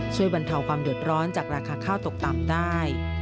บรรเทาความเดือดร้อนจากราคาข้าวตกต่ำได้